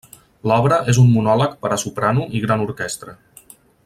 L'obra és un monòleg per a soprano i gran orquestra.